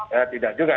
ya tidak juga